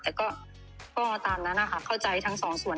แต่ก็ตามนั้นนะคะเข้าใจทั้งสองส่วน